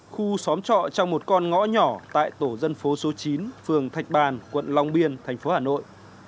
khu xóm trọ trong một con ngõ nhỏ tại tổ dân phố số chín phường thạch bàn quận long biên thành phố hà nội